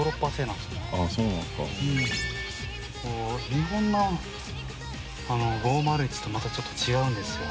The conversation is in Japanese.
日本の５０１と泙ちょっと違うんですよ